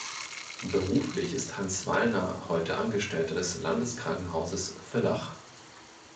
Beruflich ist Hans Wallner heute Angestellter des Landeskrankenhauses Villach.